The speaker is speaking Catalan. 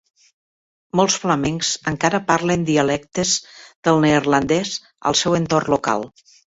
Molts flamencs encara parlen dialectes del neerlandès al seu entorn local.